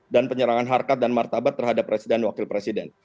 penyerangan harkat dan martabat terhadap presiden wakil presiden